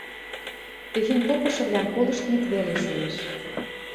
– Техень попышывлӓм колыштмет веле шоэш...